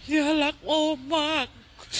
ย่ารักโอมาก